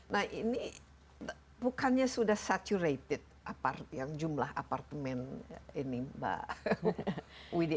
nah ini bukannya sudah saturated yang jumlah apartemen ini mbak widi